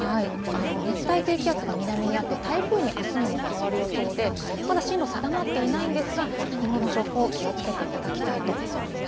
熱帯低気圧が南にあって、台風にあすにも変わる予想で、まだ進路が定まっていないんですが、今後の情報、気をつけていただきたいと思います。